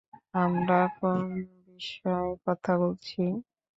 আমরা কোন বিষয় কথা বলছি?